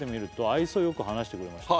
「愛想よく話してくれました」